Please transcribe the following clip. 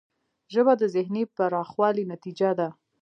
ژبه د ذهنی پراخوالي نتیجه ده